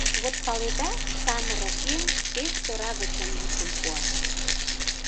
Вот, паледа, самырык еҥ, пеш тора гычын йӱкым пуат: